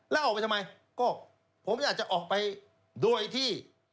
แล้วออกไปทำไมก็ผมจะออกไปด้วยที่